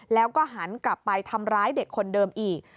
แล้วก็หันกลับไปทำร้ายเด็กคนเดิมอีก